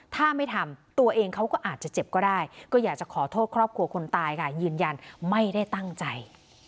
ถ้าไม่ทำตัวเองเขาก็อาจจะเจ็บก็ได้ก็อยากจะขอโทษครอบครัวคนตายค่ะยืนยันไม่ได้ตั้งใจ